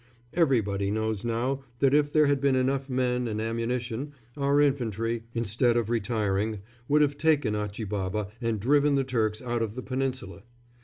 Everybody knows now that if there had been enough men and ammunition our infantry, instead of retiring, would have taken Achi Baba and driven the Turks out of the Peninsula.